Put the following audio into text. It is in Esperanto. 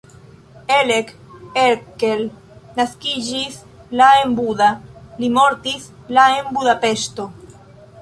Elek Erkel naskiĝis la en Buda, li mortis la en Budapeŝto.